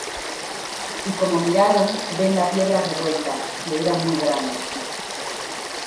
Y como miraron, ven la piedra revuelta; que era muy grande.